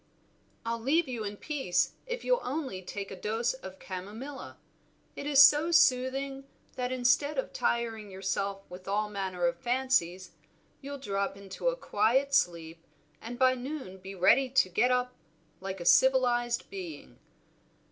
"I'll leave you in peace if you'll only take a dose of chamomilla. It is so soothing, that instead of tiring yourself with all manner of fancies, you'll drop into a quiet sleep, and by noon be ready to get up like a civilized being.